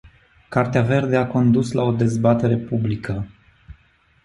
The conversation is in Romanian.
Cartea verde a condus la o dezbatere publică.